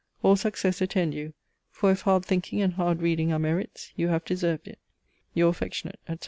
All success attend you, for if hard thinking and hard reading are merits, you have deserved it. "Your affectionate, etc."